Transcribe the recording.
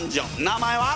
名前は？